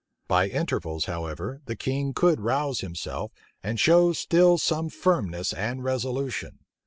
By intervals, however, the king could rouse himself, and show still some firmness and resolution.